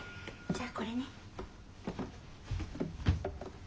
じゃあこれね。